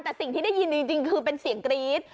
แต่สิ่งที่ได้ยินจริงคือเป็นเสียงกรี๊ด